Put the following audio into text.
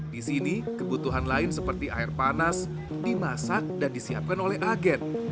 di sini kebutuhan lain seperti air panas dimasak dan disiapkan oleh agen